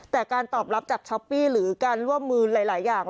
แต่การตอบรับจากช้อปปี้หรือการร่วมมือหลายอย่าง